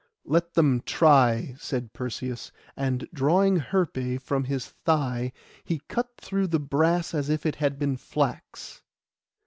'Let them try,' said Perseus; and drawing, Herpé from his thigh, he cut through the brass as if it had been flax.